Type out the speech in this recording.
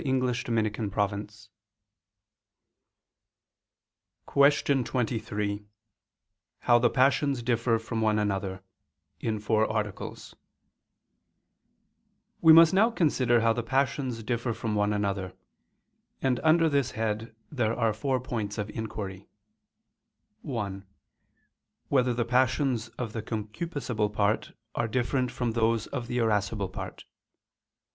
________________________ QUESTION 23 HOW THE PASSIONS DIFFER FROM ONE ANOTHER (In Four Articles) We must now consider how the passions differ from one another: and under this head there are four points of inquiry: (1) Whether the passions of the concupiscible part are different from those of the irascible part?